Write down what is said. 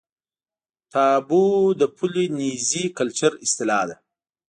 تابو د پولي نیزي کلچر اصطلاح ده.